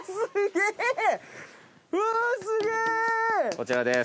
こちらです